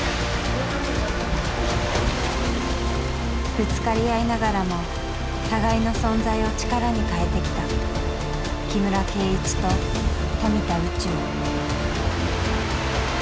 ぶつかり合いながらも互いの存在を力に変えてきた木村敬一と富田宇宙。